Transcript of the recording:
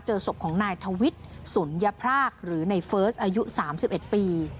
ศพของนายทวิทย์สุนยพรากหรือในเฟิร์สอายุ๓๑ปี